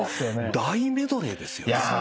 大メドレーですよね。